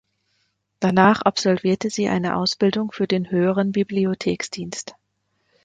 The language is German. Danach absolvierte sie eine Ausbildung für den Höheren Bibliotheksdienst.